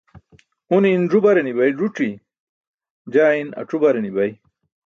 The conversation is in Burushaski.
Une in ẓu-bare ni̇bay ẓuci, jaa in ac̣u-bare ni̇bay.